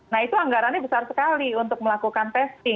nah itu anggarannya besar sekali untuk melakukan testing